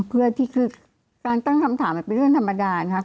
เพื่อที่คือการตั้งคำถามมันเป็นเรื่องธรรมดานะคะ